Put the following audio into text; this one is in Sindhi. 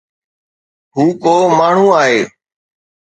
هو ڪو ماڻهو آهي.